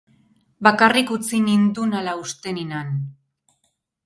Bakarrik utzi nindunala uste ninan.